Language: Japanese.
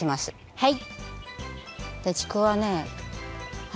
はい。